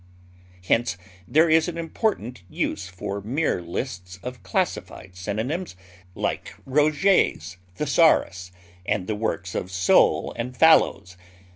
Hence there is an important use for mere lists of classified synonyms, like Roget's Thesaurus and the works of Soule and Fallows.